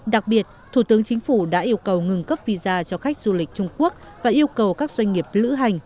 đặc biệt thủ tướng chính phủ đã yêu cầu ngừng cấp visa cho khách du lịch trung quốc và yêu cầu các doanh nghiệp lữ hành